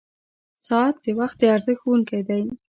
• ساعت د وخت د ارزښت ښوونکی دی.